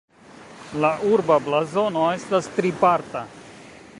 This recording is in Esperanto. La urba blazono estas triparta.